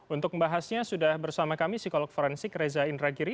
untuk membahasnya sudah bersama kami psikolog forensik reza indragiri